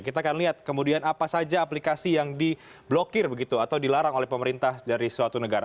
kita akan lihat kemudian apa saja aplikasi yang diblokir begitu atau dilarang oleh pemerintah dari suatu negara